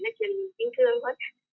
nó chừng tinh thương hết